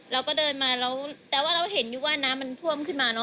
เราก็เดินมาแล้วแต่ว่าเราเห็นอยู่ว่าน้ำมันท่วมขึ้นมาเนอ